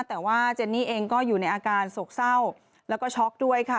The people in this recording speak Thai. แต่ว่าเจนนี่เองก็อยู่ในอาการโศกเศร้าแล้วก็ช็อกด้วยค่ะ